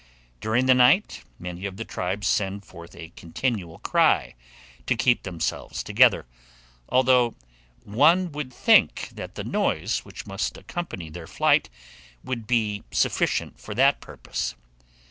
During the night, many of the tribes send forth a continual cry, to keep themselves together; although one would think that the noise which must accompany their flight would be sufficient for that purpose.